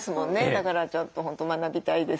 だからちょっと本当学びたいです。